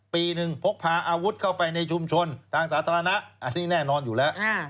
ปีหนึ่งพกพาอาวุธเข้าไปในชุมชนทางสาธารณะอันนี้แน่นอนอยู่แล้ว